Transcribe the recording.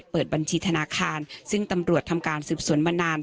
เปิดบัญชีธนาคารซึ่งตำรวจทำการสืบสวนมานาน